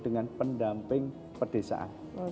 dengan pendamping perdesaan